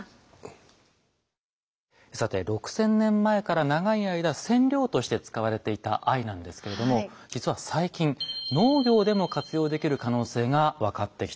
さて６，０００年前から長い間染料として使われていた藍なんですけれども実は最近農業でも活用できる可能性が分かってきたんです。